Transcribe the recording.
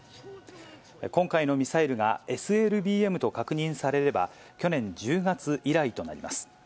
今回のミサイルがＳＬＢＭと確認されれば、去年１０月以来となります。